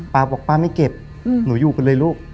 ป้าบอกป้าไม่เก็บหนูอยู่กันเลยลูก